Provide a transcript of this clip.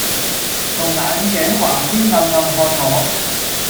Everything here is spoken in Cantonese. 從眼鏡橫邊暗暗看我。